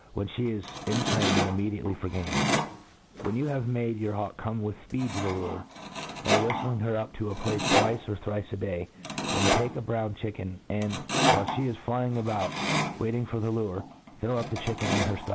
' whenjhe is in training immediately for Game. WHEN you have made your hawk come with fpeed to the lure, bywhiftlin^ her up t<;^ a place twice ' MODERN FAULCONRY. 155 twice or thrice a day, then take a brown chicken, and, while fee is flying about waiting for the lure, throw up the chicken in her fight.